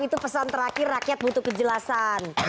itu pesan terakhir rakyat butuh kejelasan